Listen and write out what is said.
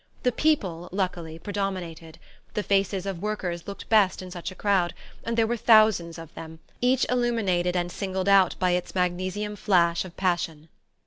The "people," luckily, predominated; the faces of workers look best in such a crowd, and there were thousands of them, each illuminated and singled out by its magnesium flash of passion.